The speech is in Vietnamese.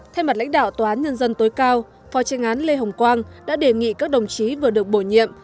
thay mặt lãnh đạo tòa án nhân dân tối cao phó tranh án lê hồng quang đã đề nghị các đồng chí vừa được bổ nhiệm